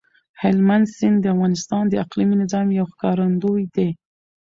هلمند سیند د افغانستان د اقلیمي نظام یو ښکارندوی دی.